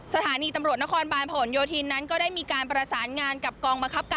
สถานีตำรวจนครบาณพหนโยธินนั้นก็ได้มีการปฏรสารงานกับ